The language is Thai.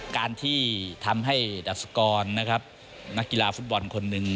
การที่ทำให้ดัสกรนะครับนักกีฬาฟุตบอลคนหนึ่ง